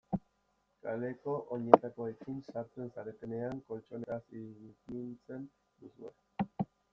Kaleko oinetakoekin sartzen zaretenean koltxoneta zikintzen duzue.